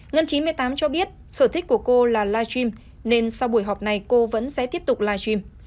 ngân chín mươi tám cho biết sở thích của cô là live stream nên sau buổi họp này cô vẫn sẽ tiếp tục live stream